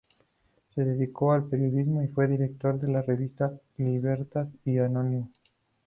Se dedicó al periodismo y fue director de las revistas "Libertas" y "Ánimos".